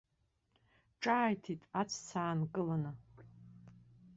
Ҿааиҭит аҵәца аанкыланы.